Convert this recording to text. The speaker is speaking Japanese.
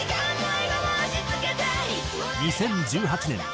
２０１８年